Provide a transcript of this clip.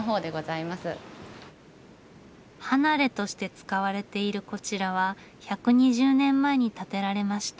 「離れ」として使われているこちらは１２０年前に建てられました。